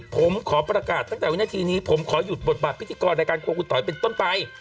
ผมขอประกาศตั้งแต่วินาทีนี้ผมขอหยุดบทบาทพิธีกรรายการครัวคุณต๋อยเป็นต้นไป